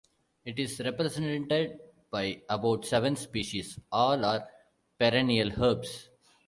It is represented by about seven species, all are perennial herbs.